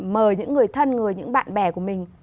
mời những người thân những bạn bè của mình